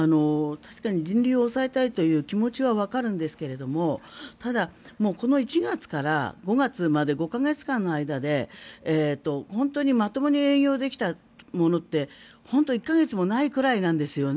確かに人流を抑えたいという気持ちはわかるんですがただ、この１月から５月まで５か月間の間で本当にまともに営業できたものって本当１か月もないくらいなんですよね。